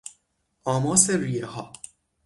آماس ریهها